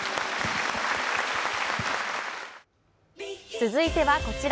続いてはこちら。